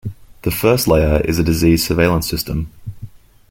The first layer is a disease surveillance system.